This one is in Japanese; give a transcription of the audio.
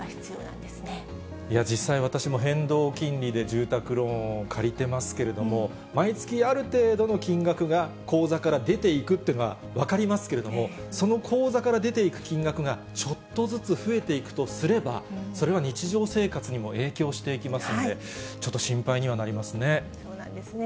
実際、私も変動金利で住宅ローンを借りてますけれども、毎月ある程度の金額が口座から出ていくというのは分かりますけれども、その口座から出ていく金額が、ちょっとずつ増えていくとすれば、それは日常生活にも影響していきますので、ちょっと心配にはなりそうなんですね。